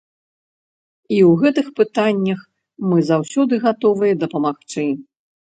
І ў гэтых пытаннях мы заўсёды гатовыя дапамагчы.